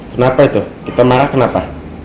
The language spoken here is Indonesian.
kenapa itu kita marah kenapa